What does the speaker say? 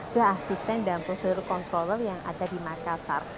ke assistant dan procedure controller yang ada di makassar